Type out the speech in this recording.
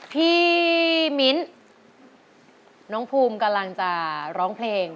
มิ้นน้องภูมิกำลังจะร้องเพลง